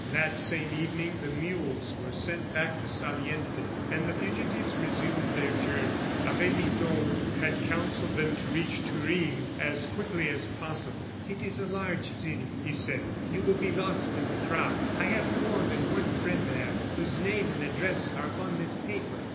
That same evening the mules were sent back to Saliente, and the fugitives resumed their journey. Abbe Midon had counselled them to reach Turin as quickly as possible. "It is a large city," he said; "you will be lost in the crowd. I have more than one friend there, whose name and address are upon this paper.